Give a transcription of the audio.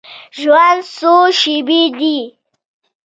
ژوند څو شیبې دی.